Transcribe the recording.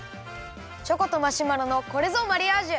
チョコとマシュマロのこれぞマリアージュ！